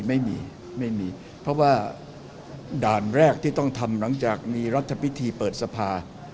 ไม่มีไม่มีเพราะว่าด่านแรกที่ต้องทำหลังจากมีรัฐพิธีเปิดสภา